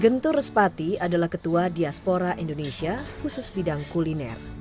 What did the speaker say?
gentur respati adalah ketua diaspora indonesia khusus bidang kuliner